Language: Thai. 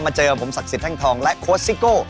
มาเจอประมาณผมศักดิ์สิทธิ์ทางทองและโคส์ซิกโก